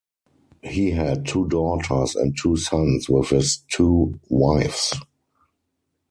He had two daughters and two sons with his two wives.